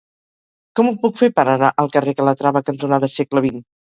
Com ho puc fer per anar al carrer Calatrava cantonada Segle XX?